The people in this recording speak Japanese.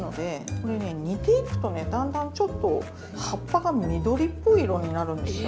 これね煮ていくとねだんだんちょっと葉っぱが緑っぽい色になるんですよ。